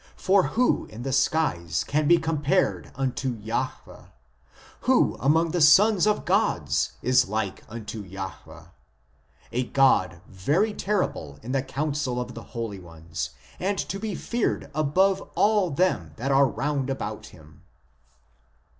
For who in the skies can be compared unto Jahwe ? Who among the sons of gods is like unto Jahwe ? A God very terrible in the council of the holy ones, and to be feared above all them that are round about Him